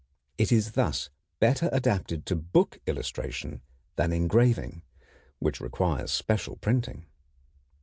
It is thus better adapted to book illustration than engraving, which requires special printing.